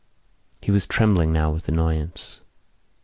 He was trembling now with annoyance.